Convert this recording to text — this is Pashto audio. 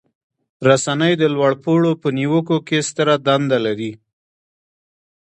رسنۍ د لوړ پوړو په نیوکو کې ستره دنده لري.